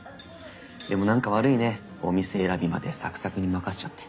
でも何か悪いねお店選びまでサクサクに任せちゃって。